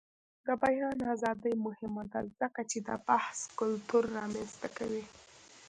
د بیان ازادي مهمه ده ځکه چې د بحث کلتور رامنځته کوي.